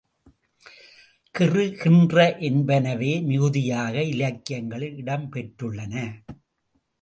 கிறு, கின்று என்பனவே மிகுதியாக இலக்கியங்களில் இடம் பெற்றுள்ளன.